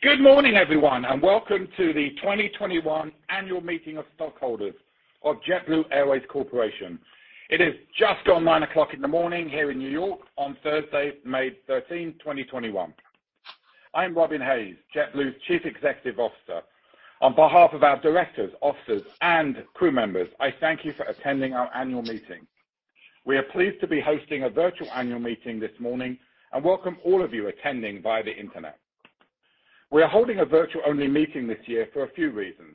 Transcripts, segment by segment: Good morning everyone, welcome to the 2021 annual meeting of stockholders of JetBlue Airways Corporation. It is just on 9:00 A.M. in the morning here in New York on Thursday, May 13, 2021. I'm Robin Hayes, JetBlue's Chief Executive Officer. On behalf of our directors, officers, and crew members, I thank you for attending our annual meeting. We are pleased to be hosting a virtual annual meeting this morning and welcome all of you attending via the internet. We're holding a virtual only meeting this year for a few reasons.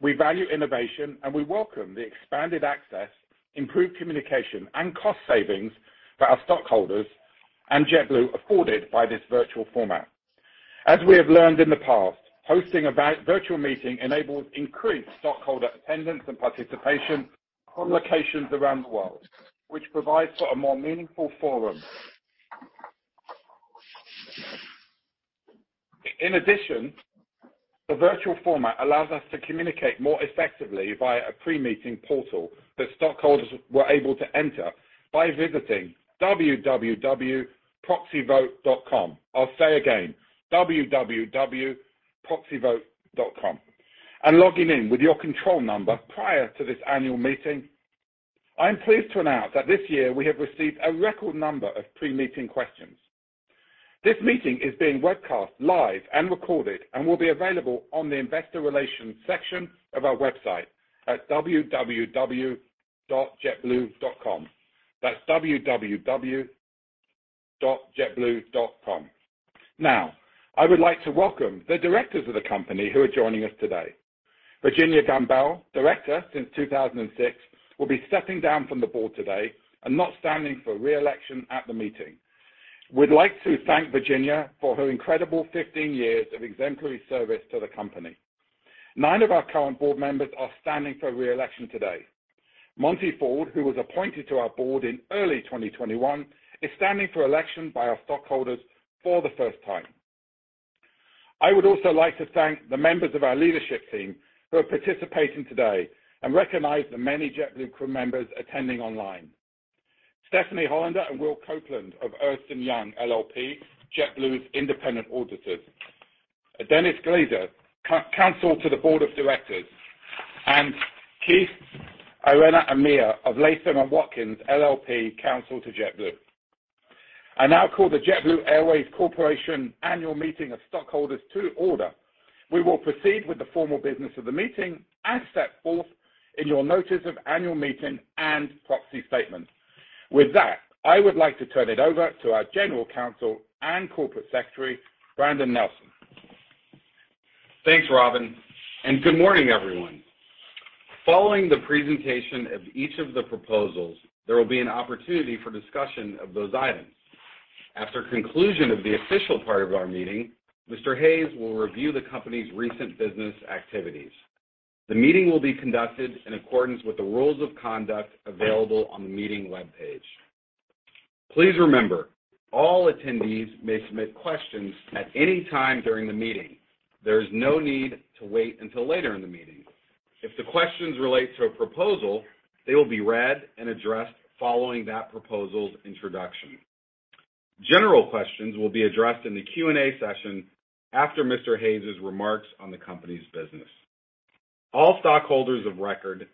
We value innovation, and we welcome the expanded access, improved communication, and cost savings for our stockholders and JetBlue afforded by this virtual format. As we have learned in the past, hosting a virtual meeting enables increased stockholder attendance and participation from locations around the world, which provides for a more meaningful forum. In addition, the virtual format allows us to communicate more effectively via a pre-meeting portal that stockholders were able to enter by visiting www.proxyvote.com. I'll say again, www.proxyvote.com, and logging in with your control number prior to this annual meeting. I'm pleased to announce that this year we have received a record number of pre-meeting questions. This meeting is being webcast live and recorded and will be available on the investor relations section of our website at www.jetblue.com. That's www.jetblue.com. I would like to welcome the directors of the company who are joining us today. Virginia S. Gambale, director since 2006, will be stepping down from the board today and not standing for re-election at the meeting. We'd like to thank Virginia for her incredible 15 years of exemplary service to the company. Nine of our current board members are standing for re-election today. Monte Ford, who was appointed to our board in early 2021, is standing for election by our stockholders for the first time. I would also like to thank the members of our leadership team who are participating today and recognize the many JetBlue crew members attending online. Stephanie Hollander and Will Copeland of Ernst & Young LLP, JetBlue's independent auditors. Dennis Glazer, counsel to the board of directors, and Kirk A. Emirov of Latham & Watkins LLP, counsel to JetBlue. I now call the JetBlue Airways Corporation Annual Meeting of Stockholders to order. We will proceed with the formal business of the meeting as set forth in your notice of annual meeting and proxy statement. With that, I would like to turn it over to our general counsel and corporate secretary, Brandon Nelson. Thanks, Robin, and good morning everyone. Following the presentation of each of the proposals, there will be an opportunity for discussion of those items. After conclusion of the official part of our meeting, Mr. Hayes will review the company's recent business activities. The meeting will be conducted in accordance with the rules of conduct available on the meeting webpage. Please remember, all attendees may submit questions at any time during the meeting. There's no need to wait until later in the meeting. If the questions relate to a proposal, they will be read and addressed following that proposal's introduction. General questions will be addressed in the Q&A session after Mr. Hayes' remarks on the company's business. All stockholders of record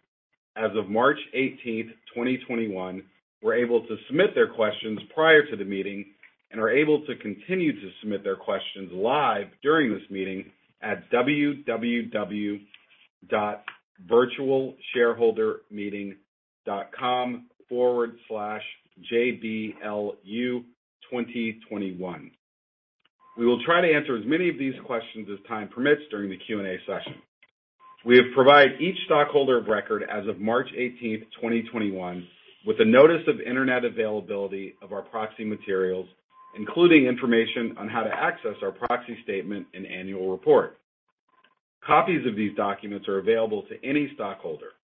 as of March 18th, 2021, were able to submit their questions prior to the meeting and are able to continue to submit their questions live during this meeting at www.virtualshareholdermeeting.com/jblu2021. We will try to answer as many of these questions as time permits during the Q&A session. We have provided each stockholder of record as of March 18th, 2021, with a notice of internet availability of our proxy materials, including information on how to access our proxy statement and annual report. Copies of these documents are available to any stockholder.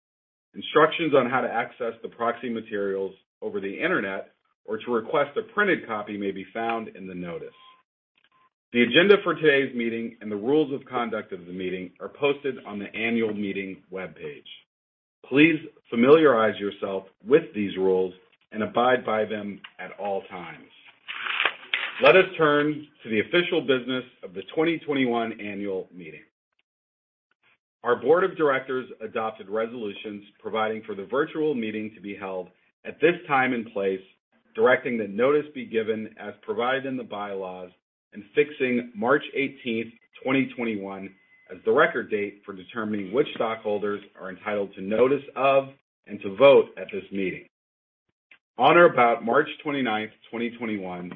Instructions on how to access the proxy materials over the internet or to request a printed copy may be found in the notice. The agenda for today's meeting and the rules of conduct of the meeting are posted on the annual meeting webpage. Please familiarize yourself with these rules and abide by them at all times. Let us turn to the official business of the 2021 annual meeting. Our board of directors adopted resolutions providing for the virtual meeting to be held at this time and place, directing the notice be given as provided in the bylaws, and fixing March 18th, 2021, as the record date for determining which stockholders are entitled to notice of and to vote at this meeting. On or about March 29th, 2021,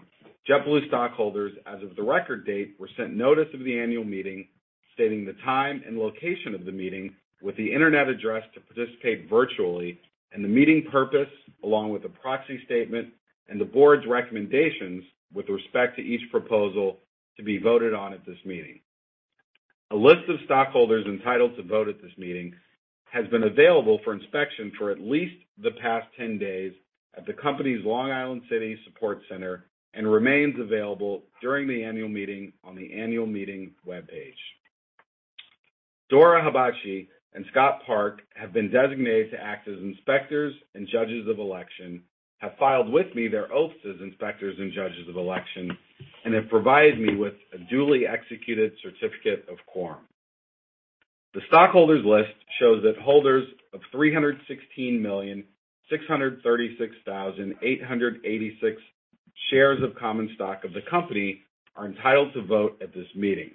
JetBlue stockholders as of the record date were sent notice of the annual meeting stating the time and location of the meeting with the internet address to participate virtually and the meeting purpose along with the proxy statement and the board's recommendations with respect to each proposal to be voted on at this meeting. A list of stockholders entitled to vote at this meeting has been available for inspection for at least the past 10 days at the company's Long Island City support center and remains available during the annual meeting on the annual meeting webpage. Dora Habachiy and Scott Park have been designated to act as inspectors and judges of election, have filed with me their oaths as inspectors and judges of election, and have provided me with a duly executed certificate of quorum. The stockholders' list shows that holders of 316,636,886 shares of common stock of the company are entitled to vote at this meeting.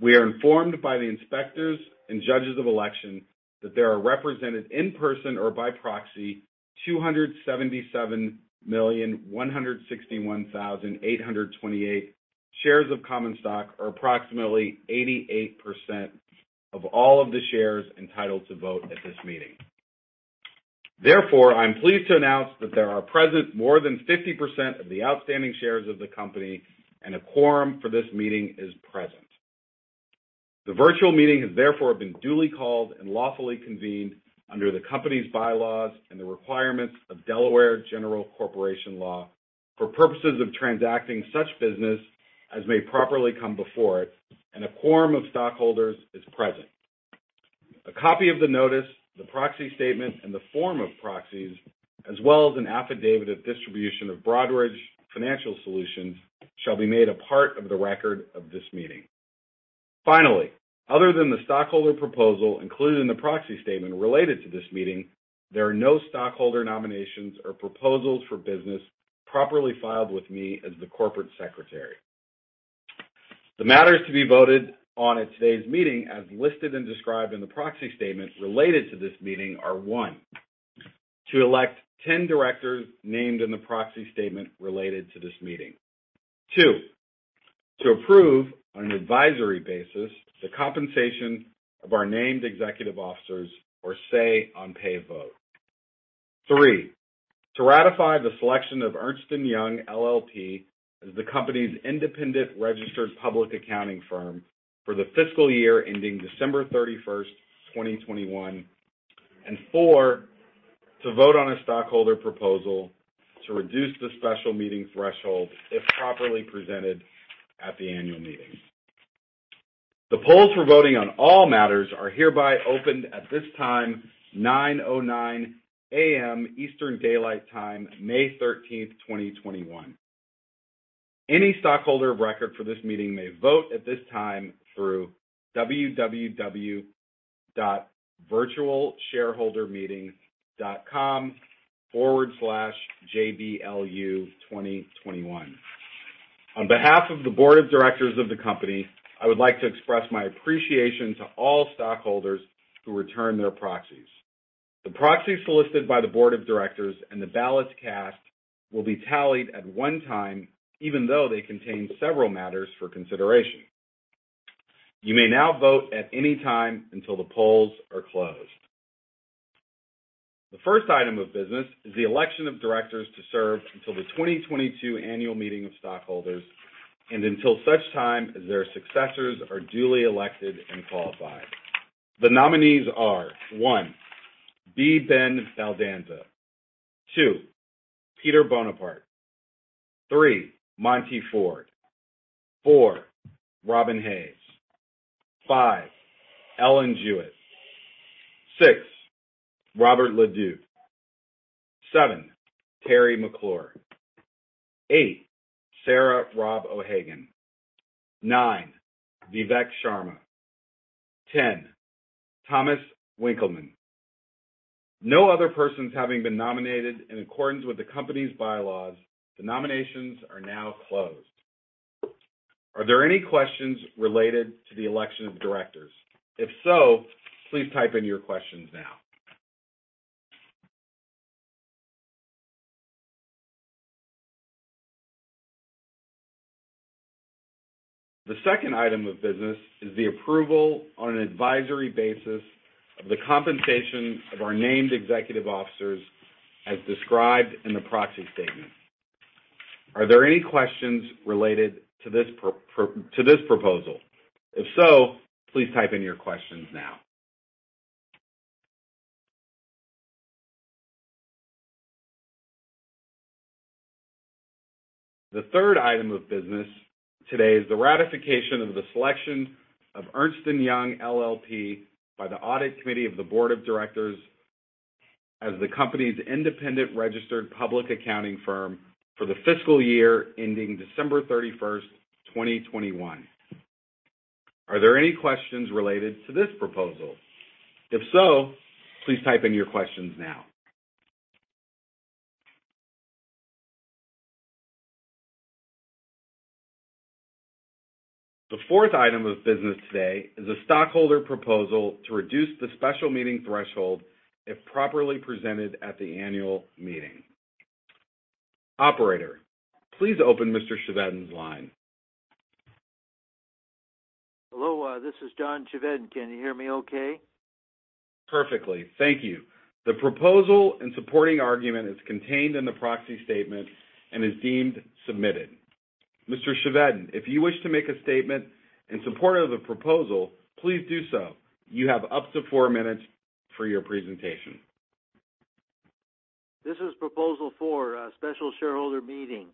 We are informed by the inspectors and judges of election that there are represented in person or by proxy 277,161,828 shares of common stock, or approximately 88% of all of the shares entitled to vote at this meeting. I'm pleased to announce that there are present more than 50% of the outstanding shares of the company, and a quorum for this meeting is present. The virtual meeting has therefore been duly called and lawfully convened under the company's bylaws and the requirements of Delaware General Corporation Law for purposes of transacting such business as may properly come before it, and a quorum of stockholders is present. A copy of the notice, the proxy statement, and the form of proxies, as well as an affidavit of distribution of Broadridge Financial Solutions, shall be made a part of the record of this meeting. Other than the stockholder proposal included in the proxy statement related to this meeting, there are no stockholder nominations or proposals for business properly filed with me as the corporate secretary. The matters to be voted on at today's meeting, as listed and described in the proxy statement related to this meeting, are, one, to elect 10 directors named in the proxy statement related to this meeting. Two, to approve on an advisory basis the compensation of our named executive officers for Say on Pay vote. Three, to ratify the selection of Ernst & Young LLP as the company's independent registered public accounting firm for the fiscal year ending December 31st, 2021. Four, to vote on a stockholder proposal to reduce the special meeting threshold if properly presented at the annual meeting. The polls for voting on all matters are hereby opened at this time, 9:09 AM Eastern Daylight Time, May 13th, 2021. Any stockholder of record for this meeting may vote at this time through www.virtualshareholdermeetings.com/JBLU2021. On behalf of the board of directors of the company, I would like to express my appreciation to all stockholders who returned their proxies. The proxies solicited by the board of directors and the ballots cast will be tallied at one time, even though they contain several matters for consideration. You may now vote at any time until the polls are closed. The first item of business is the election of directors to serve until the 2022 annual meeting of stockholders and until such time as their successors are duly elected and qualified. The nominees are, one, Ben Baldanza. Two, Peter Boneparth. Three, Monte Ford. Four, Robin Hayes. Five, Ellen Jewett. Six, Robert Leduc. Seven, Teri McClure. Eight, Sarah Robb O'Hagan. Nine, Vivek Sharma. 10, Thomas Winkelmann. No other persons having been nominated in accordance with the company's bylaws, the nominations are now closed. Are there any questions related to the election of directors? If so, please type in your questions now. The second item of business is the approval on an advisory basis of the compensation of our named executive officers as described in the proxy statement. Are there any questions related to this proposal? If so, please type in your questions now. The third item of business today is the ratification of the selection of Ernst & Young LLP by the audit committee of the board of directors as the company's independent registered public accounting firm for the fiscal year ending December 31, 2021. Are there any questions related to this proposal? If so, please type in your questions now. The fourth item of business today is a stockholder proposal to reduce the special meeting threshold if properly presented at the annual meeting. Operator, please open Mr. Chevedden's line. Hello, this is John Chevedden. Can you hear me okay? Perfectly. Thank you. The proposal and supporting argument is contained in the proxy statement and is deemed submitted. Mr. Chevedden, if you wish to make a statement in support of the proposal, please do so. You have up to four minutes for your presentation. This is Proposal four, special shareholder meeting.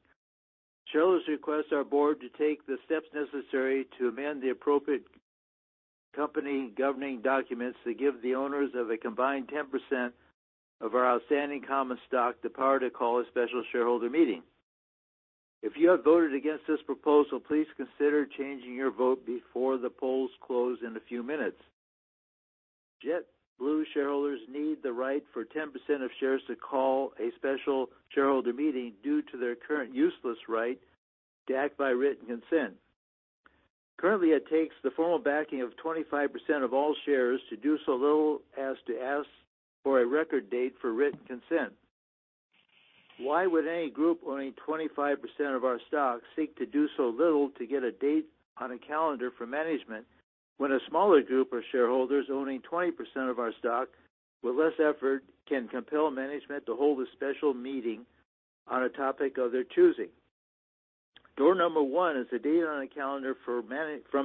Shareholders request our board to take the steps necessary to amend the appropriate company governing documents to give the owners of a combined 10% of our outstanding common stock the power to call a special shareholder meeting. If you have voted against this proposal, please consider changing your vote before the polls close in a few minutes. JetBlue shareholders need the right for 10% of shares to call a special shareholder meeting due to their current useless right to act by written consent. Currently, it takes the formal backing of 25% of all shares to do so little as to ask for a record date for written consent. Why would any group owning 25% of our stock seek to do so little to get a date on a calendar for management when a smaller group of shareholders owning 20% of our stock with less effort can compel management to hold a special meeting on a topic of their choosing? Door number one is the date on the calendar from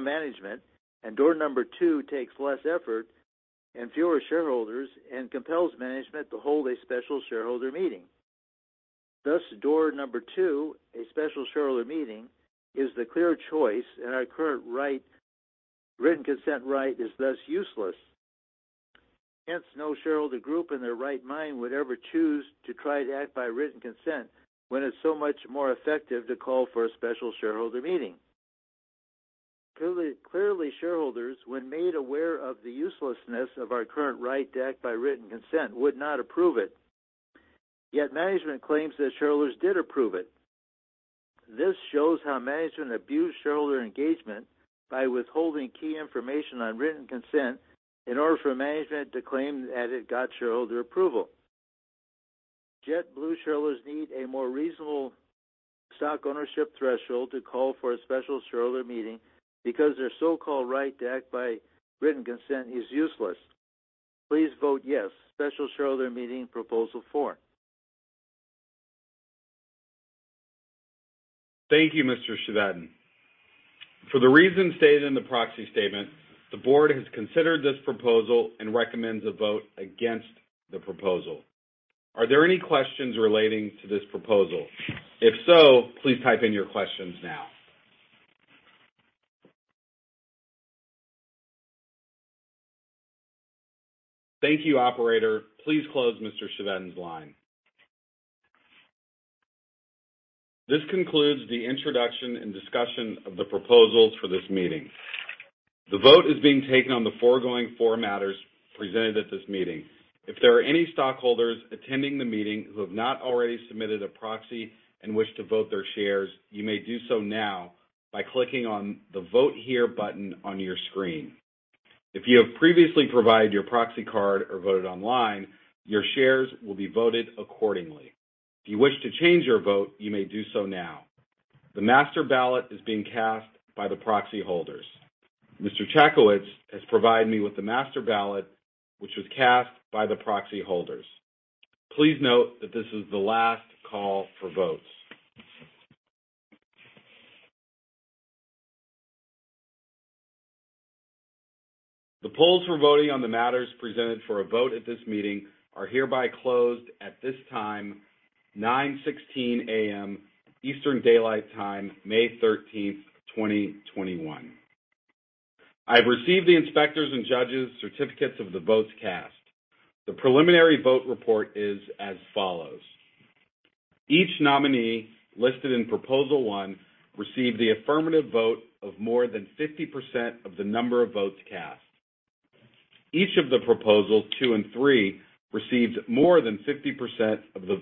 management, and door number two takes less effort and fewer shareholders and compels management to hold a special shareholder meeting. Thus, door number two, a special shareholder meeting, is the clear choice, and our current written consent right is thus useless. Hence, no shareholder group in their right mind would ever choose to try to act by written consent when it's so much more effective to call for a special shareholder meeting. Clearly, shareholders, when made aware of the uselessness of our current right to act by written consent, would not approve it. Yet management claims that shareholders did approve it. This shows how management abused shareholder engagement by withholding key information on written consent in order for management to claim that it got shareholder approval. JetBlue shareholders need a more reasonable stock ownership threshold to call for a special shareholder meeting because their so-called right to act by written consent is useless. Please vote yes, special shareholder meeting Proposal four. Thank you, Mr. Chevedden. For the reasons stated in the proxy statement, the board has considered this proposal and recommends a vote against the proposal. Are there any questions relating to this proposal? If so, please type in your questions now. Thank you, operator. Please close Mr. Chevedden's line. This concludes the introduction and discussion of the proposals for this meeting. The vote is being taken on the foregoing four matters presented at this meeting. If there are any stockholders attending the meeting who have not already submitted a proxy and wish to vote their shares, you may do so now by clicking on the Vote Here button on your screen. If you have previously provided your proxy card or voted online, your shares will be voted accordingly. If you wish to change your vote, you may do so now. The master ballot is being cast by the proxy holders. Mr. Chakoitz has provided me with the master ballot, which was cast by the proxy holders. Please note that this is the last call for votes. The polls for voting on the matters presented for a vote at this meeting are hereby closed at this time, 9:16 A.M. Eastern Daylight Time, May 13th, 2021. I have received the inspectors and judges certificates of the votes cast. The preliminary vote report is as follows. Each nominee listed in Proposal one received the affirmative vote of more than 50% of the number of votes cast. Each of the Proposals two and three received more than 50% of the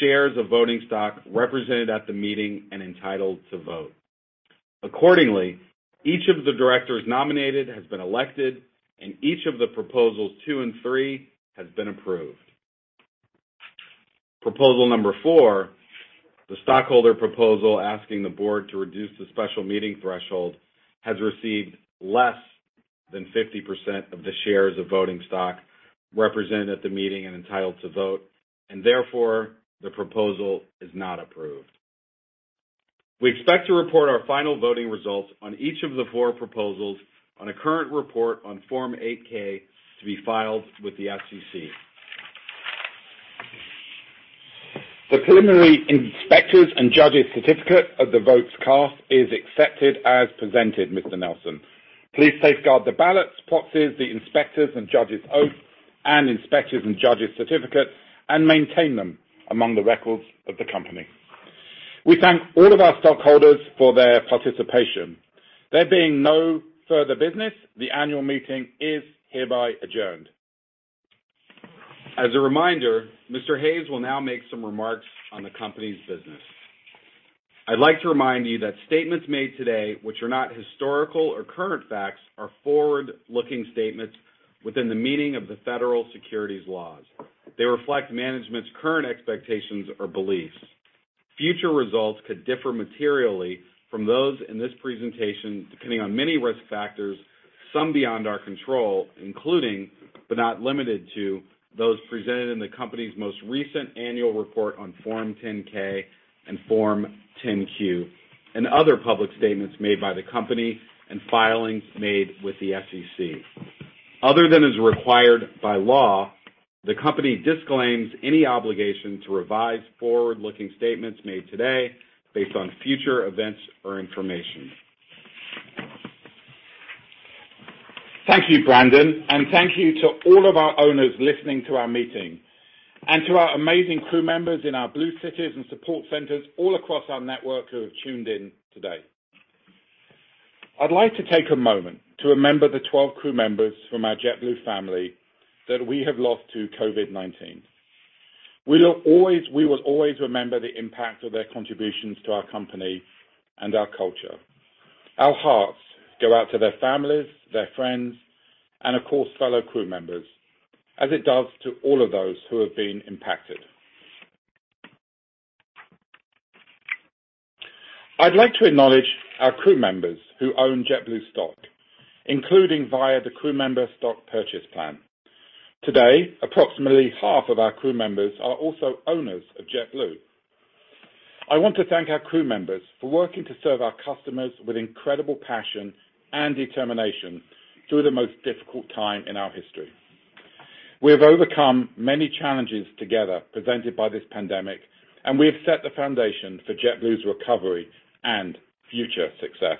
shares of voting stock represented at the meeting and entitled to vote. Accordingly, each of the directors nominated has been elected, and each of the Proposals two and three has been approved. Proposal Number four, the stockholder proposal asking the board to reduce the special meeting threshold, has received less than 50% of the shares of voting stock represented at the meeting and entitled to vote. Therefore, the proposal is not approved. We expect to report our final voting results on each of the four proposals on a current report on Form 8-K to be filed with the SEC. The preliminary inspectors and judges certificate of the votes cast is accepted as presented, Mr. Nelson. Please safeguard the ballots, proxies, the inspectors and judges oaths, and inspectors and judges certificates and maintain them among the records of the company. We thank all of our stockholders for their participation. There being no further business, the annual meeting is hereby adjourned. As a reminder, Mr. Hayes will now make some remarks on the company's business. I'd like to remind you that statements made today, which are not historical or current facts, are forward-looking statements within the meaning of the Federal Securities laws. They reflect management's current expectations or beliefs. Future results could differ materially from those in this presentation depending on many risk factors, some beyond our control, including, but not limited to, those presented in the company's most recent annual report on Form 10-K and Form 10-Q and other public statements made by the company and filings made with the SEC. Other than is required by law, the company disclaims any obligation to revise forward-looking statements made today based on future events or information. Thank you, Brandon, and thank you to all of our owners listening to our meeting, and to our amazing crew members in our blue cities and support centers all across our network who have tuned in today. I'd like to take a moment to remember the 12 crew members from our JetBlue family that we have lost to COVID-19. We will always remember the impact of their contributions to our company and our culture. Our hearts go out to their families, their friends, and of course, fellow crew members, as it does to all of those who have been impacted. I'd like to acknowledge our crew members who own JetBlue stock, including via the crew member stock purchase plan. Today, approximately half of our crew members are also owners of JetBlue. I want to thank our crew members for working to serve our customers with incredible passion and determination through the most difficult time in our history. We have overcome many challenges together presented by this pandemic. We have set the foundation for JetBlue's recovery and future success.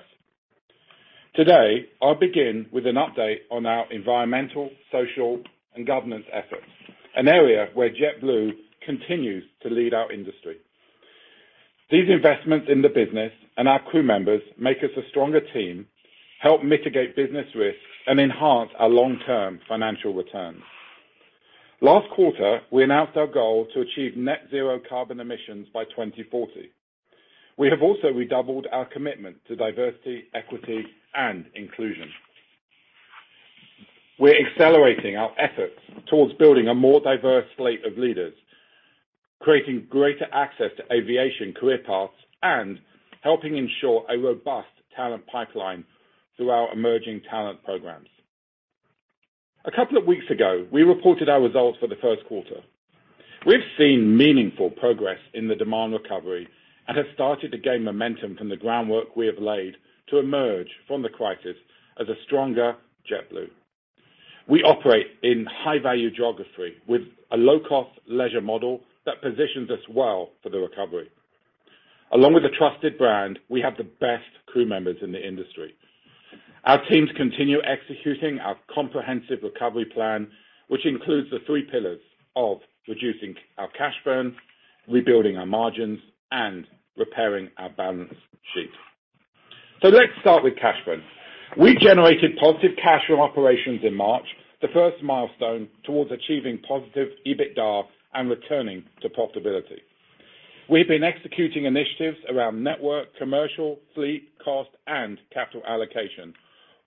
Today, I'll begin with an update on our environmental, social, and governance efforts, an area where JetBlue continues to lead our industry. These investments in the business and our crew members make us a stronger team, help mitigate business risk, and enhance our long-term financial returns. Last quarter, we announced our goal to achieve net zero carbon emissions by 2040. We have also redoubled our commitment to diversity, equity, and inclusion. We're accelerating our efforts towards building a more diverse slate of leaders, creating greater access to aviation career paths, and helping ensure a robust talent pipeline through our emerging talent programs. A couple of weeks ago, we reported our results for the first quarter. We've seen meaningful progress in the demand recovery and have started to gain momentum from the groundwork we have laid to emerge from the crisis as a stronger JetBlue. We operate in high-value geography with a low-cost leisure model that positions us well for the recovery. Along with a trusted brand, we have the best crew members in the industry. Our teams continue executing our comprehensive recovery plan, which includes the three pillars of reducing our cash burn, rebuilding our margins, and repairing our balance sheet. Let's start with cash burn. We generated positive cash from operations in March, the first milestone towards achieving positive EBITDA and returning to profitability. We've been executing initiatives around network, commercial, fleet, cost, and capital allocation,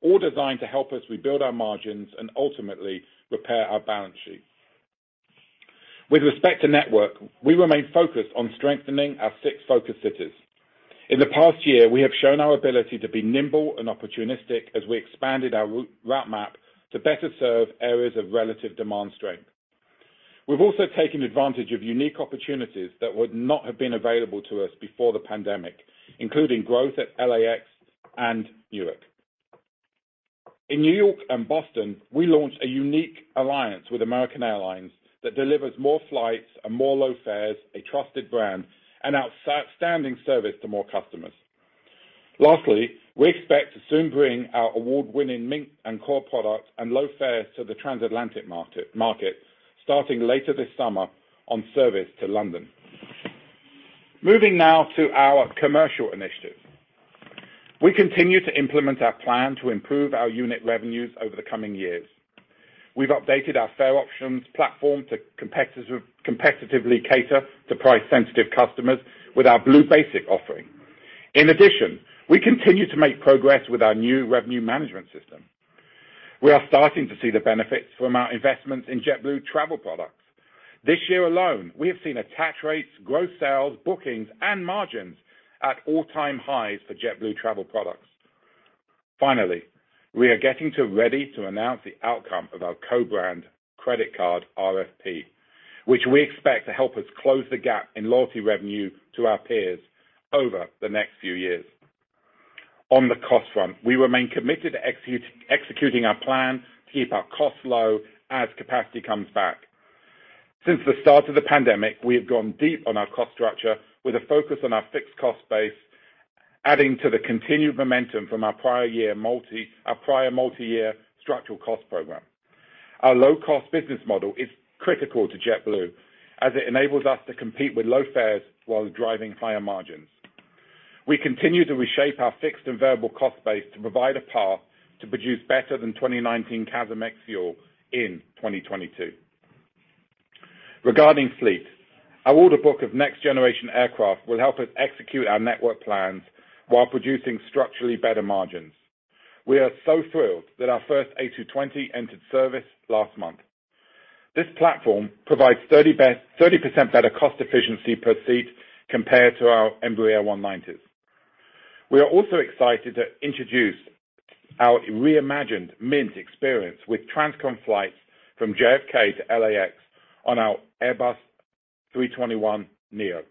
all designed to help us rebuild our margins and ultimately repair our balance sheet. With respect to network, we remain focused on strengthening our six focus cities. In the past year, we have shown our ability to be nimble and opportunistic as we expanded our route map to better serve areas of relative demand strength. We've also taken advantage of unique opportunities that would not have been available to us before the pandemic, including growth at LAX and Newark. In New York and Boston, we launched a unique alliance with American Airlines that delivers more flights and more low fares, a trusted brand, and outstanding service to more customers. Lastly, we expect to soon bring our award-winning Mint and Core products and low fares to the transatlantic market starting later this summer on service to London. Moving now to our commercial initiatives. We continue to implement our plan to improve our unit revenues over the coming years. We've updated our fare options platform to competitively cater to price-sensitive customers with our Blue Basic offering. In addition, we continue to make progress with our new revenue management system. We are starting to see the benefits from our investments in JetBlue Travel Products. This year alone, we have seen attach rates, growth sales, bookings, and margins at all-time highs for JetBlue Travel Products. Finally, we are getting ready to announce the outcome of our co-brand credit card RFP, which we expect to help us close the gap in loyalty revenue to our peers over the next few years. On the cost front, we remain committed to executing our plan to keep our costs low as capacity comes back. Since the start of the pandemic, we have gone deep on our cost structure with a focus on our fixed cost base, adding to the continued momentum from our prior multi-year structural cost program. Our low-cost business model is critical to JetBlue, as it enables us to compete with low fares while driving higher margins. We continue to reshape our fixed and variable cost base to provide a path to produce better than 2019 CASM ex-fuel in 2022. Regarding fleet, our order book of next-generation aircraft will help us execute our network plans while producing structurally better margins. We are so thrilled that our first A220 entered service last month. This platform provides 30% better cost efficiency per seat compared to our Embraer 190s. We are also excited to introduce our reimagined Mint experience with transcon flights from JFK to LAX on our Airbus A321neo.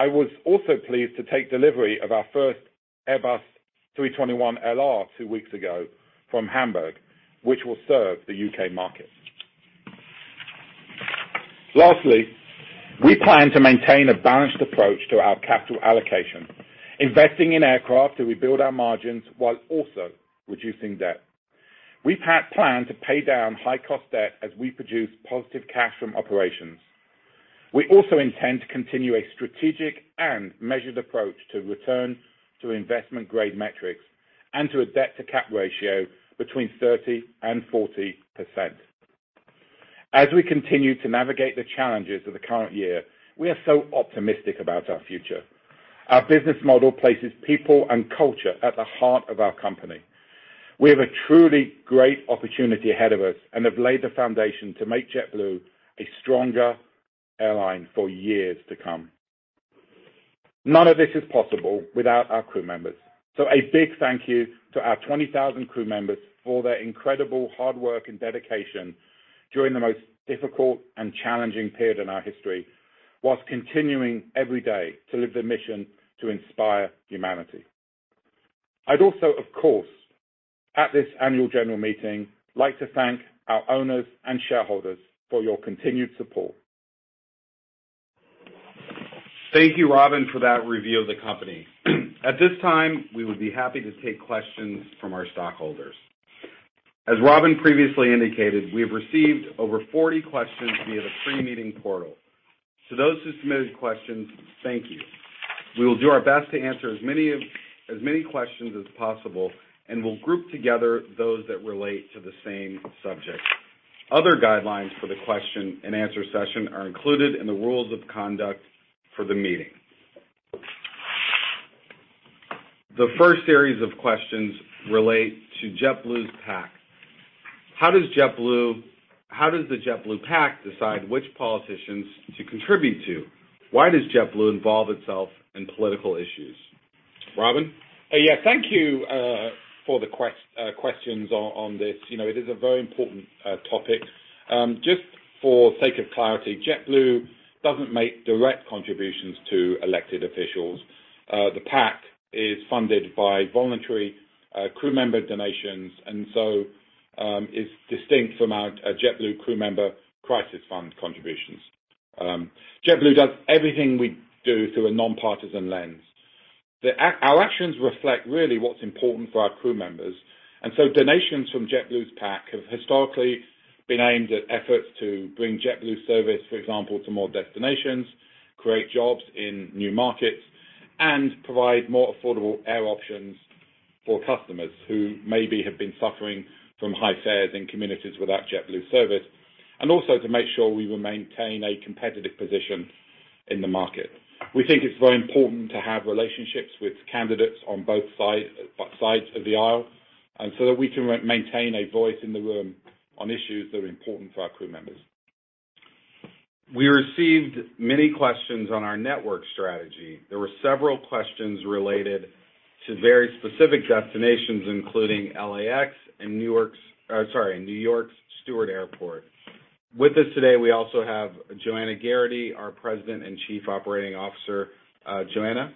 I was also pleased to take delivery of our first Airbus A321LR two weeks ago from Hamburg, which will serve the U.K. market. Lastly, we plan to maintain a balanced approach to our capital allocation, investing in aircraft as we build our margins while also reducing debt. We plan to pay down high cost debt as we produce positive cash from operations. We also intend to continue a strategic and measured approach to return to investment-grade metrics and to a debt-to-cap ratio between 30% and 40%. As we continue to navigate the challenges of the current year, we are so optimistic about our future. Our business model places people and culture at the heart of our company. We have a truly great opportunity ahead of us and have laid the foundation to make JetBlue a stronger airline for years to come. None of this is possible without our crew members. A big thank you to our 20,000 crew members for their incredible hard work and dedication during the most difficult and challenging period in our history, whilst continuing every day to live the mission to inspire humanity. I'd also, of course, at this annual general meeting, like to thank our owners and shareholders for your continued support. Thank you, Robin, for that review of the company. At this time, we would be happy to take questions from our stockholders. As Robin previously indicated, we have received over 40 questions via the pre-meeting portal. To those who submitted questions, thank you. We will do our best to answer as many questions as possible, and we'll group together those that relate to the same subject. Other guidelines for the question and answer session are included in the rules of conduct for the meeting. The first series of questions relate to JetBlue's PAC. How does the JetBlue PAC decide which politicians to contribute to? Why does JetBlue involve itself in political issues? Robin? Yeah. Thank you for the questions on this. It is a very important topic. Just for sake of clarity, JetBlue doesn't make direct contributions to elected officials. The PAC is funded by voluntary crew member donations, and so is distinct from our JetBlue crew member crisis fund contributions. JetBlue does everything we do through a nonpartisan lens. Our actions reflect really what's important for our crew members. Donations from JetBlue's PAC have historically been aimed at efforts to bring JetBlue service, for example, to more destinations, create jobs in new markets, and provide more affordable air options for customers who maybe have been suffering from high fares in communities without JetBlue service, and also to make sure we will maintain a competitive position in the market. We think it's very important to have relationships with candidates on both sides of the aisle so that we can maintain a voice in the room on issues that are important for our crew members. We received many questions on our network strategy. There were several questions related to very specific destinations, including LAX and New York's Stewart Airport. With us today, we also have Joanna Geraghty, our President and Chief Operating Officer. Joanna?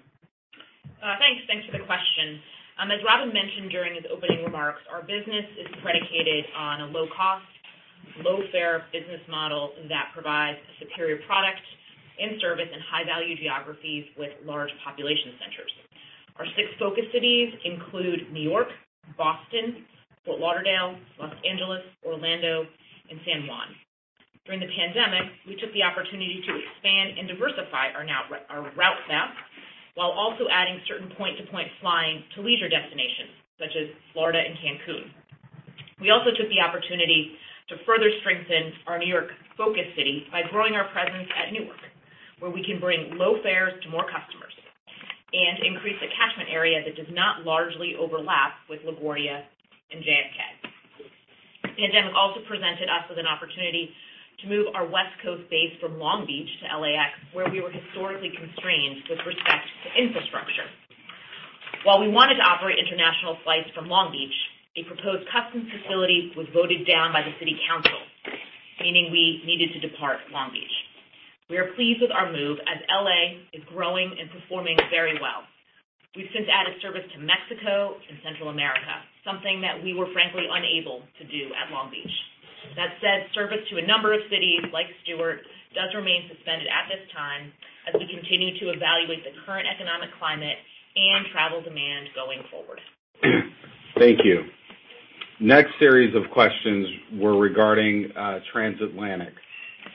Thanks for the question. As Robin mentioned during his opening remarks, our business is predicated on a low-cost, low-fare business model that provides a superior product and service in high-value geographies with large population centers. Our six focus cities include New York, Boston, Fort Lauderdale, Los Angeles, Orlando, and San Juan. During the pandemic, we took the opportunity to expand and diversify our route map while also adding certain point-to-point flying to leisure destinations such as Florida and Cancun. We also took the opportunity to further strengthen our New York focus city by growing our presence at Newark, where we can bring low fares to more customers and increase a catchment area that does not largely overlap with LaGuardia and JFK. The pandemic also presented us with an opportunity to move our West Coast base from Long Beach to LAX, where we were historically constrained with respect to infrastructure. While we wanted to operate international flights from Long Beach, a proposed customs facility was voted down by the city council, meaning we needed to depart Long Beach. We are pleased with our move as L.A. is growing and performing very well. We've since added service to Mexico and Central America, something that we were frankly unable to do at Long Beach. That said, service to a number of cities like Stewart does remain suspended at this time as we continue to evaluate the current economic climate and travel demand going forward. Thank you. Next series of questions were regarding transatlantic.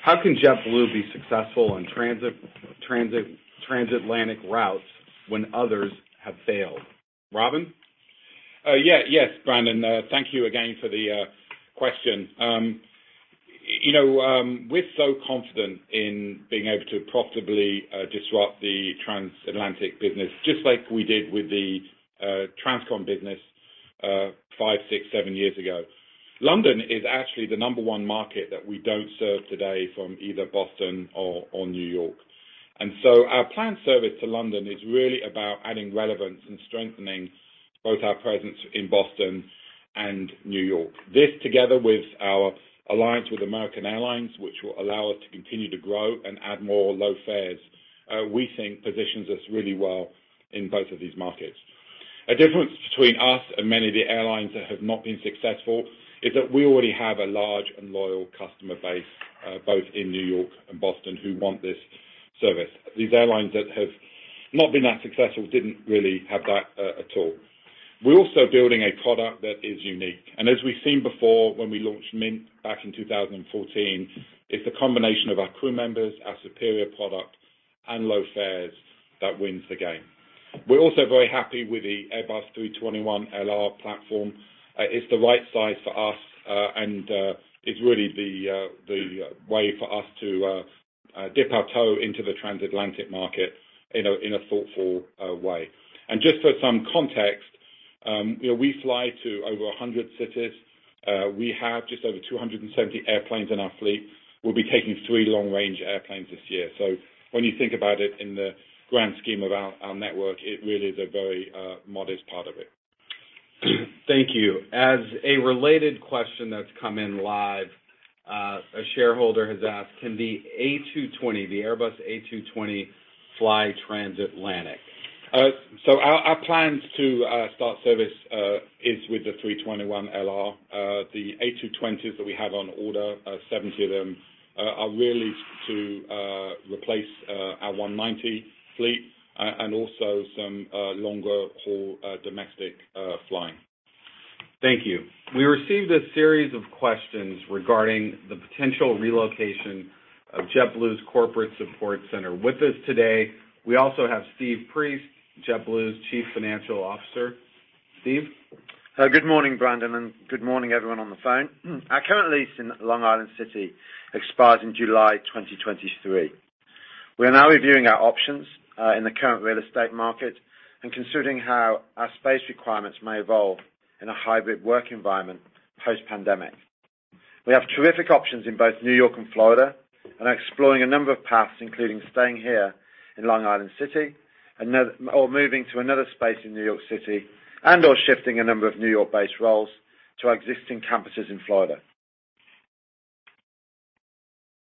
How can JetBlue be successful on transatlantic routes when others have failed? Robin? Yes, Brandon, thank you again for the question. We're so confident in being able to profitably disrupt the transatlantic business, just like we did with the transcon business five, six, seven years ago. London is actually the number one market that we don't serve today from either Boston or New York. Our planned service to London is really about adding relevance and strengthening both our presence in Boston and New York. This together with our alliance with American Airlines, which will allow us to continue to grow and add more low fares, we think positions us really well in both of these markets. A difference between us and many of the airlines that have not been successful is that we already have a large and loyal customer base, both in New York and Boston, who want this service. These airlines that have not been as successful didn't really have that at all. We're also building a product that is unique. As we've seen before when we launched Mint back in 2014, it's a combination of our crew members, our superior product, and low fares that wins the game. We're also very happy with the Airbus A321LR platform. It's the right size for us. It's really the way for us to dip our toe into the transatlantic market in a thoughtful way. Just for some context, we fly to over 100 cities. We have just over 270 airplanes in our fleet. We'll be taking three long-range airplanes this year. When you think about it in the grand scheme of our network, it really is a very modest part of it. Thank you. As a related question that's come in live, a shareholder has asked, "Can the A220, the Airbus A220 fly transatlantic? Our plan to start service, is with the 321LR. The A220s that we have on order, 70 of them, are really to replace our 190 fleet and also some longer-haul domestic flying. Thank you. We received a series of questions regarding the potential relocation of JetBlue's corporate support center. With us today, we also have Steve Priest, JetBlue's Chief Financial Officer. Steve? Good morning, Brandon, and good morning, everyone on the phone. Our current lease in Long Island City expires in July 2023. We are now reviewing our options in the current real estate market and considering how our space requirements may evolve in a hybrid work environment post-pandemic. We have terrific options in both New York and Florida and are exploring a number of paths, including staying here in Long Island City or moving to another space in New York City and/or shifting a number of New York-based roles to our existing campuses in Florida.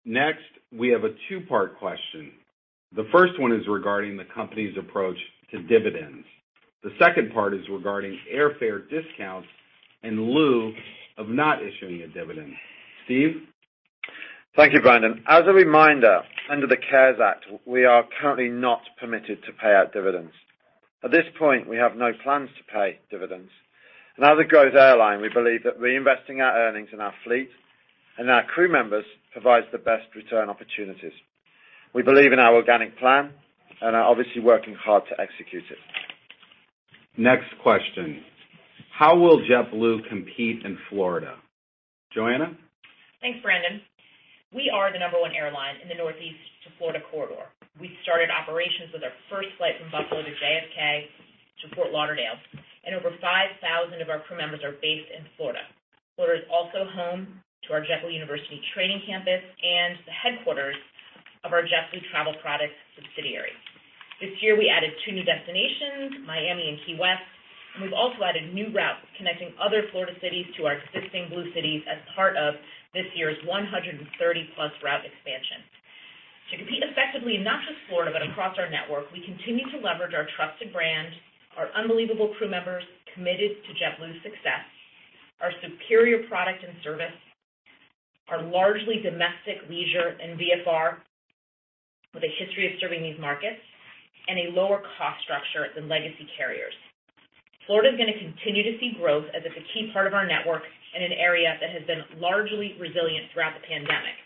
Next, we have a two-part question. The first one is regarding the company's approach to dividends. The second part is regarding airfare discounts in lieu of not issuing a dividend. Steve? Thank you, Brandon. As a reminder, under the CARES Act, we are currently not permitted to pay out dividends. At this point, we have no plans to pay dividends. As a growth airline, we believe that reinvesting our earnings in our fleet and our crew members provides the best return opportunities. We believe in our organic plan and are obviously working hard to execute it. Next question. How will JetBlue compete in Florida? Joanna? Thanks, Brandon. We are the number one airline in the Northeast to Florida corridor. We started operations with our first flight from Buffalo to JFK to Fort Lauderdale, and over 5,000 of our crew members are based in Florida. Florida is also home to our JetBlue University training campus and the headquarters of our JetBlue Travel Products subsidiary. This year, we added two new destinations, Miami and Key West, and we've also added new routes connecting other Florida cities to our existing Blue cities as part of this year's 130-plus route expansion. To compete effectively in not just Florida, but across our network, we continue to leverage our trusted brand, our unbelievable crew members committed to JetBlue's success, our superior product and service, our largely domestic leisure and VFR with a history of serving these markets, and a lower cost structure than legacy carriers. Florida is going to continue to see growth as it's a key part of our network in an area that has been largely resilient throughout the pandemic.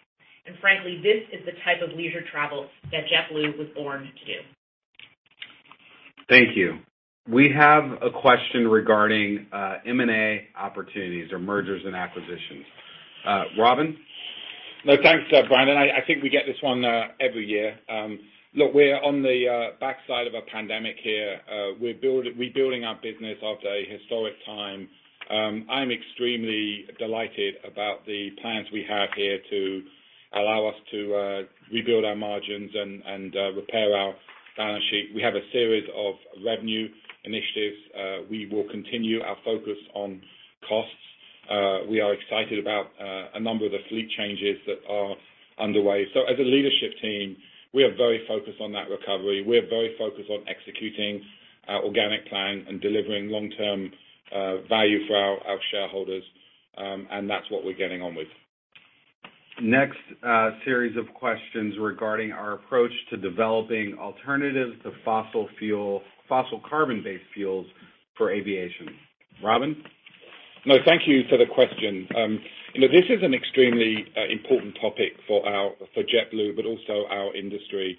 Frankly, this is the type of leisure travel that JetBlue was born to do. Thank you. We have a question regarding M&A opportunities or mergers and acquisitions. Robin? Thanks, Brandon. I think we get this one every year. Look, we're on the backside of a pandemic here. We're rebuilding our business after a historic time. I'm extremely delighted about the plans we have here to allow us to rebuild our margins and repair our balance sheet. We have a series of revenue initiatives. We will continue our focus on costs. We are excited about a number of the fleet changes that are underway. As a leadership team, we are very focused on that recovery. We are very focused on executing our organic plan and delivering long-term value for our shareholders, and that's what we're getting on with. Next series of questions regarding our approach to developing alternatives to fossil carbon-based fuels for aviation. Robin? No, thank you for the question. This is an extremely important topic for JetBlue, also our industry.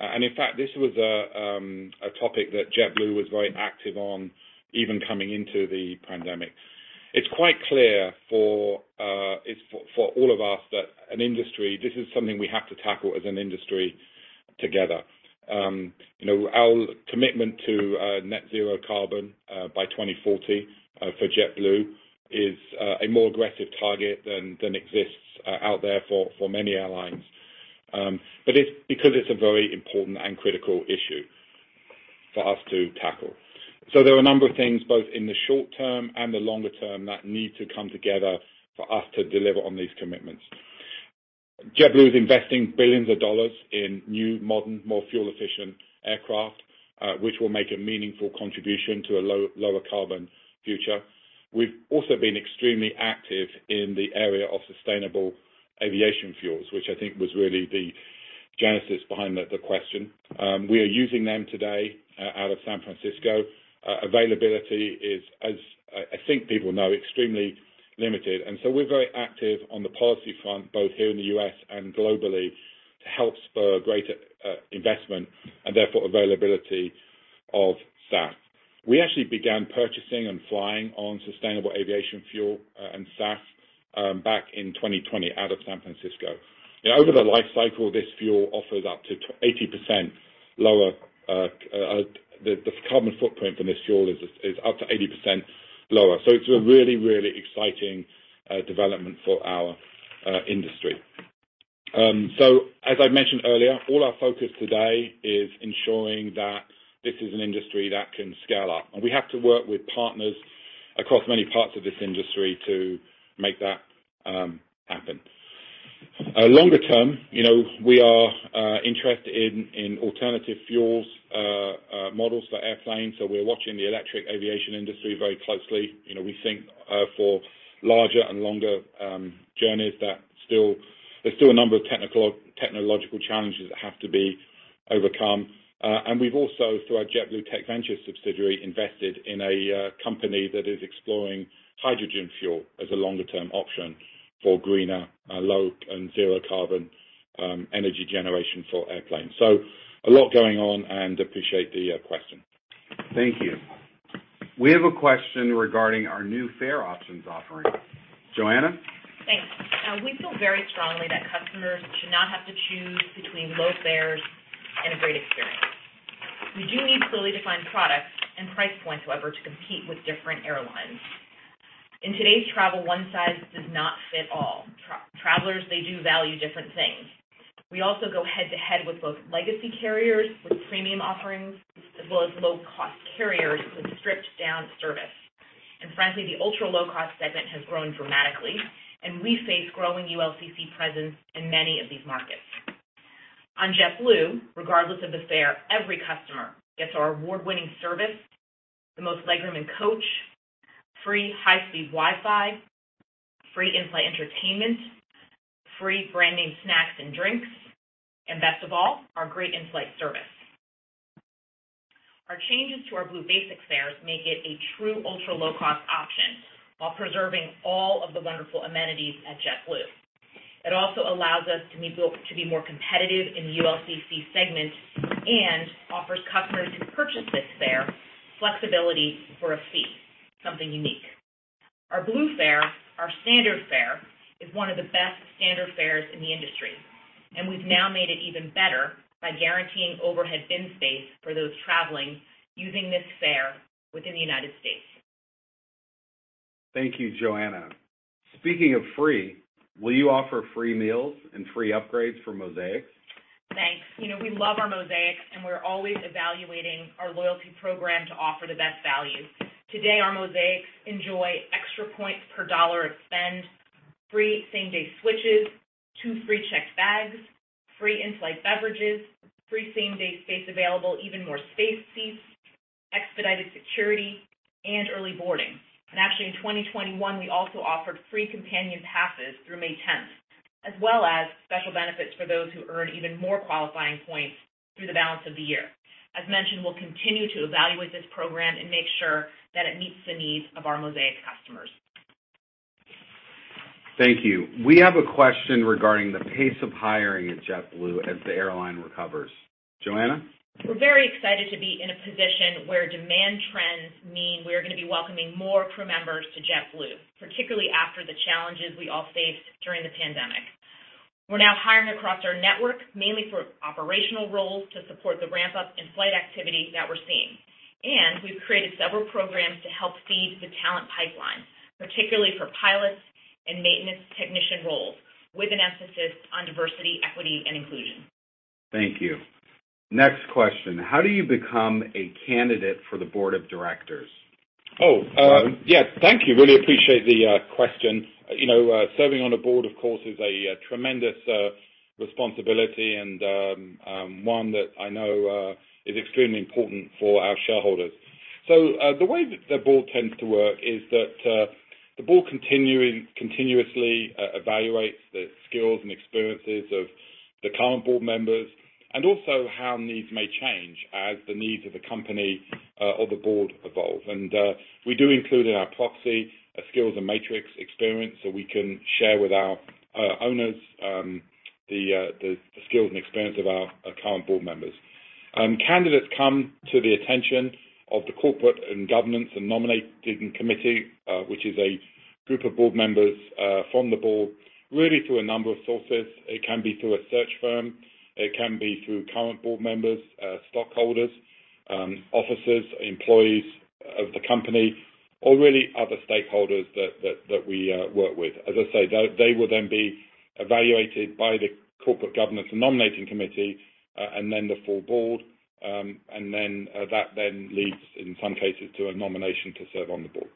In fact, this was a topic that JetBlue was very active on, even coming into the pandemic. It's quite clear for all of us that an industry, this is something we have to tackle as an industry together. Our commitment to net zero carbon by 2040 for JetBlue is a more aggressive target than exists out there for many airlines, it's because it's a very important and critical issue for us to tackle. There are a number of things, both in the short term and the longer term, that need to come together for us to deliver on these commitments. JetBlue is investing billions of dollars in new, modern, more fuel-efficient aircraft, which will make a meaningful contribution to a lower carbon future. We've also been extremely active in the area of sustainable aviation fuels, which I think was really the genesis behind the question. We are using them today out of San Francisco. Availability is, as I think people know, extremely limited, and so we're very active on the policy front, both here in the U.S. and globally, to help spur greater investment and therefore availability of SAF. We actually began purchasing and flying on sustainable aviation fuel and SAF back in 2020 out of San Francisco. Over the life cycle, the carbon footprint from this fuel is up to 80% lower. It's a really, really exciting development for our industry. As I mentioned earlier, all our focus today is ensuring that this is an industry that can scale up, and we have to work with partners across many parts of this industry to make that happen. Longer term, we are interested in alternative fuels, models for airplanes. We're watching the electric aviation industry very closely. We think for larger and longer journeys, there's still a number of technological challenges that have to be overcome. We've also, through our JetBlue Technology Ventures subsidiary, invested in a company that is exploring hydrogen fuel as a longer-term option for greener, low and zero-carbon energy generation for airplanes. A lot going on, and appreciate the question. Thank you. We have a question regarding our new fare options offering. Joanna? Thanks. We feel very strongly that customers should not have to choose between low fares and a great experience. We do need clearly defined products and price points, however, to compete with different airlines. In today's travel, one size does not fit all. Travelers, they do value different things. We also go head to head with both legacy carriers with premium offerings, as well as low-cost carriers with stripped-down service. Frankly, the ultra-low-cost segment has grown dramatically, and we face growing ULCC presence in many of these markets. On JetBlue, regardless of the fare, every customer gets our award-winning service, the most legroom in coach, free high-speed Wi-Fi, free in-flight entertainment, free brand-name snacks and drinks, and best of all, our great in-flight service. Our changes to our Blue Basic fares make it a true ultra-low-cost option while preserving all of the wonderful amenities at JetBlue. It also allows us to be more competitive in the ULCC segment and offers customers who purchase this fare flexibility for a fee, something unique. Our Blue fare, our standard fare, is one of the best standard fares in the industry, and we've now made it even better by guaranteeing overhead bin space for those traveling using this fare within the U.S. Thank you, Joanna. Speaking of free, will you offer free meals and free upgrades for Mosaics? Thanks. We love our Mosaics, and we're always evaluating our loyalty program to offer the best value. Today, our Mosaics enjoy extra points per dollar of spend, free same-day switches, two free checked bags, free in-flight beverages, free same-day space available, Even More Space seats, expedited security, and early boarding. Actually, in 2021, we also offered free companion passes through May 10th, as well as special benefits for those who earn even more qualifying points through the balance of the year. As mentioned, we'll continue to evaluate this program and make sure that it meets the needs of our Mosaic customers. Thank you. We have a question regarding the pace of hiring at JetBlue as the airline recovers. Joanna? We're very excited to be in a position where demand trends mean we're going to be welcoming more crew members to JetBlue, particularly after the challenges we all faced during the pandemic. We're now hiring across our network, mainly for operational roles to support the ramp-up in flight activity that we're seeing. We've created several programs to help feed the talent pipeline, particularly for pilots and maintenance technician roles, with an emphasis on diversity, equity, and inclusion. Thank you. Next question. How do you become a candidate for the Board of Directors? Robin? Oh, yeah. Thank you. Really appreciate the question. Serving on a board, of course, is a tremendous responsibility and one that I know is extremely important for our shareholders. The way that the board tends to work is that the board continuously evaluates the skills and experiences of the current board members and also how needs may change as the needs of the company or the board evolve. We do include in our proxy a skills and matrix experience so we can share with our owners the skills and experience of our current board members. Candidates come to the attention of the Corporate and Governance and Nominating Committee, which is a group of board members from the board, really through a number of sources. It can be through a search firm. It can be through current board members, stockholders, officers, employees of the company or really other stakeholders that we work with. As I say, they will then be evaluated by the Corporate Governance Nominating Committee, and then the full board, and that then leads, in some cases, to a nomination to serve on the board.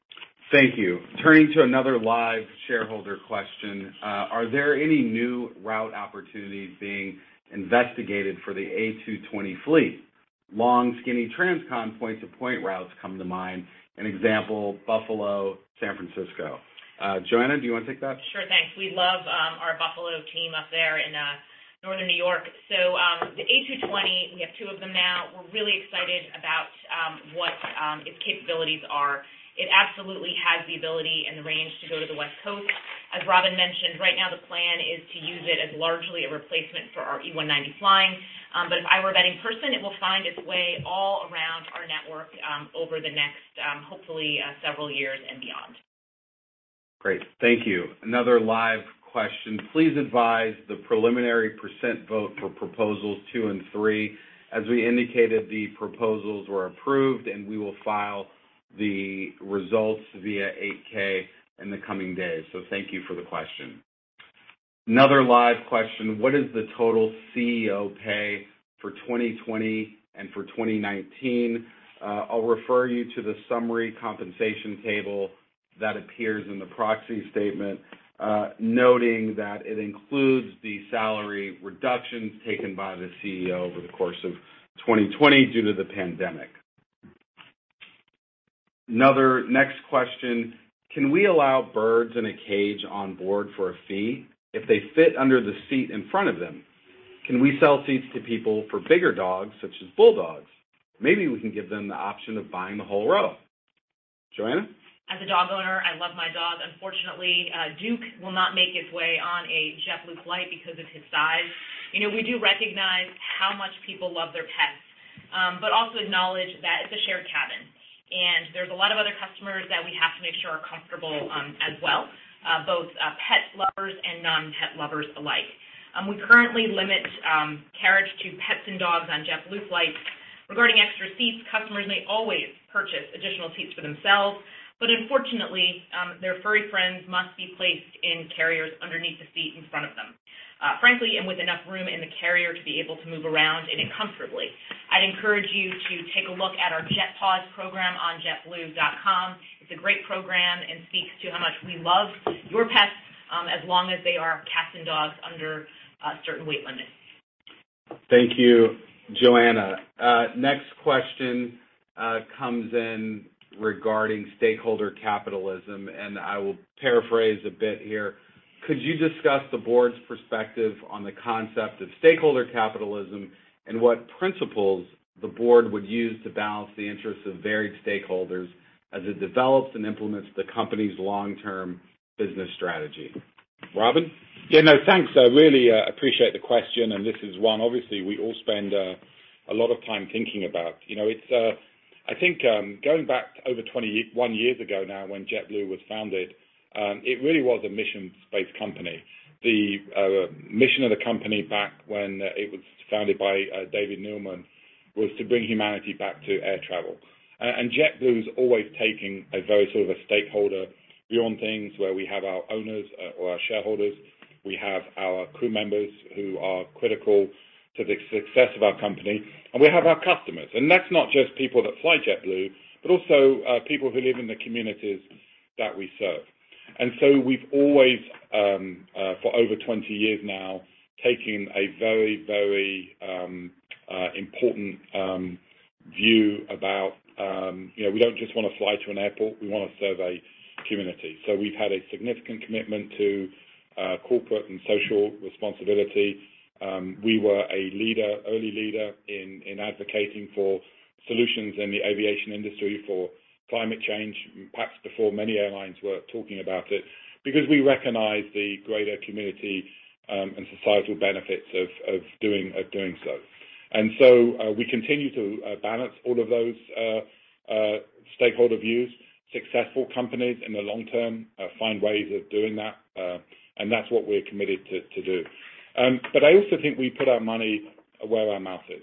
Thank you. Turning to another live shareholder question. Are there any new route opportunities being investigated for the A220 fleet? Long, skinny transcon point-to-point routes come to mind. An example, Buffalo, San Francisco. Joanna, do you want to take that? Sure. Thanks. We love our Buffalo team up there in Northern New York. The A220, we have two of them now. We're really excited about what its capabilities are. It absolutely has the ability and the range to go to the West Coast. As Robin mentioned, right now the plan is to use it as largely a replacement for our E190 flying. If I were a betting person, it will find its way all around our network over the next, hopefully, several years and beyond. Great. Thank you. Another live question. Please advise the preliminary percent vote for proposals two and three. As we indicated, the proposals were approved, and we will file the results via 8-K in the coming days. Thank you for the question. Another live question. What is the total CEO pay for 2020 and for 2019? I'll refer you to the summary compensation table that appears in the proxy statement, noting that it includes the salary reductions taken by the CEO over the course of 2020 due to the pandemic. Another next question. Can we allow birds in a cage on board for a fee if they fit under the seat in front of them? Can we sell seats to people for bigger dogs such as bulldogs? Maybe we can give them the option of buying the whole row. Joanna? As a dog owner, I love my dog. Unfortunately, Duke will not make his way on a JetBlue flight because of his size. We do recognize how much people love their pets, but also acknowledge that it's a shared cabin, and there's a lot of other customers that we have to make sure are comfortable as well, both pet lovers and non-pet lovers alike. We currently limit carriage to pets and dogs on JetBlue flights. Regarding extra seats, customers may always purchase additional seats for themselves, but unfortunately, their furry friends must be placed in carriers underneath the seat in front of them, frankly, and with enough room in the carrier to be able to move around in it comfortably. I'd encourage you to take a look at our JetPaws program on jetblue.com. It's a great program and speaks to how much we love your pets as long as they are cats and dogs under certain weight limits. Thank you, Joanna. Next question comes in regarding stakeholder capitalism. I will paraphrase a bit here. Could you discuss the board's perspective on the concept of stakeholder capitalism and what principles the board would use to balance the interests of varied stakeholders as it develops and implements the company's long-term business strategy? Robin? Yeah. No, thanks. I really appreciate the question. This is one, obviously, we all spend a lot of time thinking about. I think going back over 21 years ago now when JetBlue was founded, it really was a mission-based company. The mission of the company back when it was founded by David Neeleman was to bring humanity back to air travel. JetBlue is always taking a very sort of a stakeholder view on things where we have our owners or our shareholders, we have our crew members who are critical to the success of our company, and we have our customers, and that's not just people that fly JetBlue, but also people who live in the communities that we serve. We've always, for over 20 years now, taken a very important view about, we don't just want to fly to an airport, we want to serve a community. We've had a significant commitment to corporate and social responsibility. We were a leader, early leader in advocating for solutions in the aviation industry for climate change, perhaps before many airlines were talking about it, because we recognize the greater community and societal benefits of doing so. We continue to balance all of those stakeholder views. Successful companies in the long term find ways of doing that, and that's what we're committed to do. I also think we put our money where our mouth is.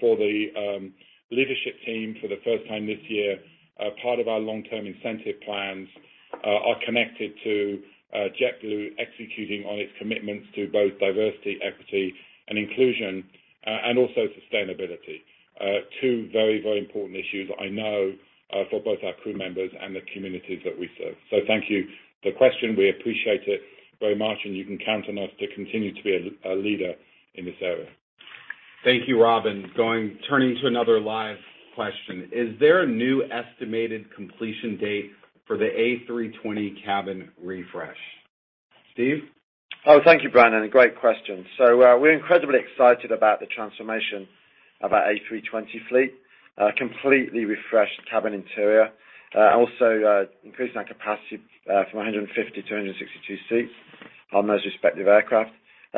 For the leadership team, for the first time this year, part of our long-term incentive plans are connected to JetBlue executing on its commitments to both diversity, equity, and inclusion, and also sustainability. Two very important issues I know for both our crew members and the communities that we serve. Thank you for the question. We appreciate it very much, and you can count on us to continue to be a leader in this area. Thank you, Robin. Turning to another live question. Is there a new estimated completion date for the A320 cabin refresh? Steve? Oh, thank you, Brian, and a great question. We're incredibly excited about the transformation of our A320 fleet. Completely refreshed cabin interior. Increased our capacity from 150 - 162 seats on those respective aircraft.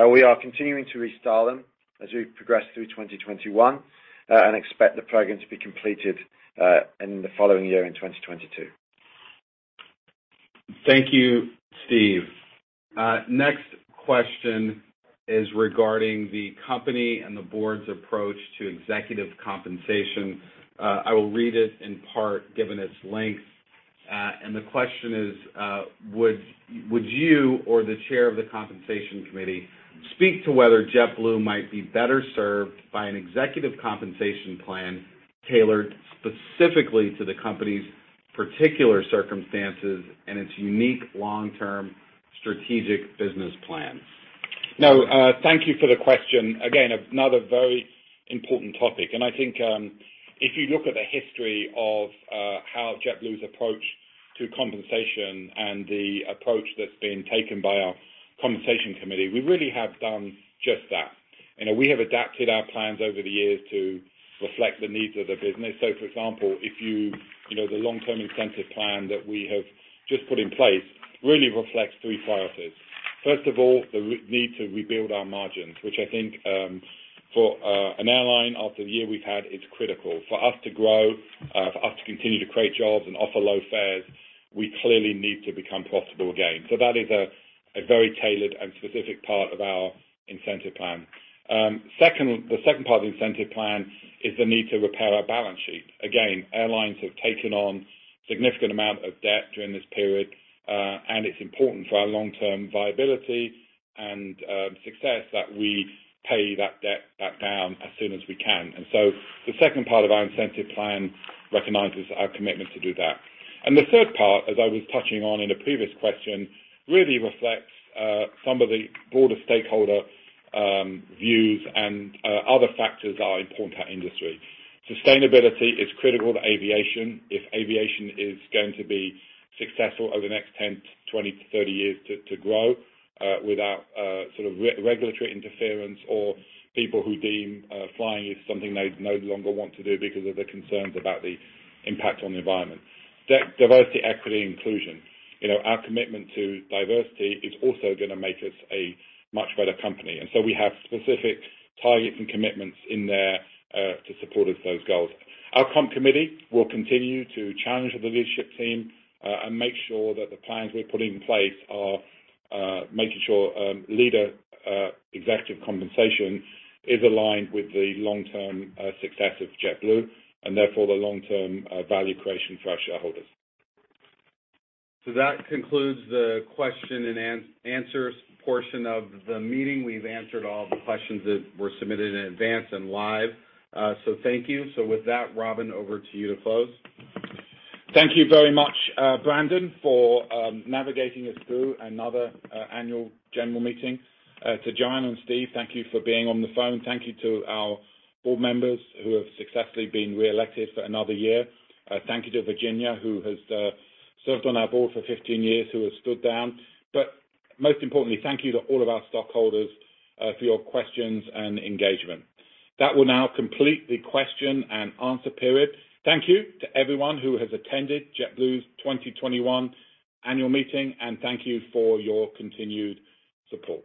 We are continuing to restyle them as we progress through 2021. Expect the program to be completed in the following year, in 2022. Thank you, Steve. Next question is regarding the company and the board's approach to executive compensation. I will read it in part, given its length. The question is, would you or the chair of the compensation committee speak to whether JetBlue might be better served by an executive compensation plan tailored specifically to the company's particular circumstances and its unique long-term strategic business plans? No. Thank you for the question. Again, another very important topic. I think, if you look at the history of how JetBlue's approach to compensation and the approach that's been taken by our compensation committee, we really have done just that. We have adapted our plans over the years to reflect the needs of the business. For example, the long-term incentive plan that we have just put in place really reflects three priorities. First of all, the need to rebuild our margins, which I think, for an airline after the year we've had, is critical. For us to grow, for us to continue to create jobs and offer low fares, we clearly need to become profitable again. That is a very tailored and specific part of our incentive plan. The second part of the incentive plan is the need to repair our balance sheet. Airlines have taken on significant amount of debt during this period, it's important for our long-term viability and success that we pay that debt back down as soon as we can. The second part of our incentive plan recognizes our commitment to do that. The third part, as I was touching on in a previous question, really reflects some of the broader stakeholder views and other factors that are important to our industry. Sustainability is critical to aviation. If aviation is going to be successful over the next 10 to 20 - 30 years to grow, without sort of regulatory interference or people who deem flying is something they no longer want to do because of their concerns about the impact on the environment. Diversity, equity, and inclusion. Our commitment to diversity is also going to make us a much better company. We have specific targets and commitments in there, to support us those goals. Our comp committee will continue to challenge the leadership team, and make sure that the plans we're putting in place are making sure leader executive compensation is aligned with the long-term success of JetBlue, and therefore the long-term value creation for our shareholders. That concludes the question and answers portion of the meeting. We've answered all the questions that were submitted in advance and live. Thank you. With that, Robin, over to you to close. Thank you very much, Brandon, for navigating us through another annual general meeting. To John and Steve, thank you for being on the phone. Thank you to our board members who have successfully been reelected for another year. Thank you to Virginia, who has served on our board for 15 years, who has stood down. Most importantly, thank you to all of our stockholders for your questions and engagement. That will now complete the question and answer period. Thank you to everyone who has attended JetBlue's 2021 annual meeting, and thank you for your continued support.